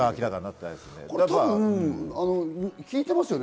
多分聞いてますよね？